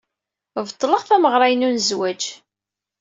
Beṭleɣ tameɣra-inu n zzwaj.